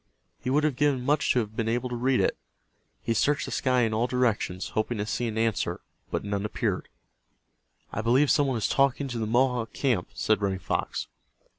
He would have given much to have been able to read it. He searched the sky in all directions, hoping to see an answer but none appeared. "I believe some one is talking to the Mohawk camp," said Running Fox.